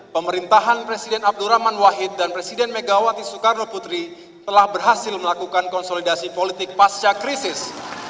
pemerintahan presiden abdurrahman wahid dan presiden megawati soekarno putri telah berhasil melakukan konsolidasi politik pasca krisis